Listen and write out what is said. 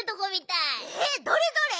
えっどれどれ？